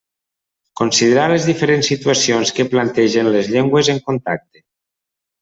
Considerar les diferents situacions que plantegen les llengües en contacte.